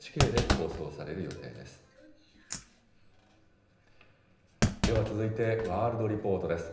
では、続いてワールド・リポートです。